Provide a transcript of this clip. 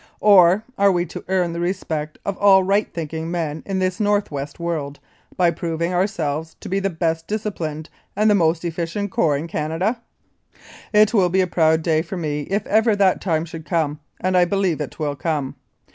or are we to earn the respect of all right thinking men in this North West world by proving our selves to be the best disciplined and most efficient corps in Canada ? It will be a proud day for me if ever that time should come, and I believe it will come.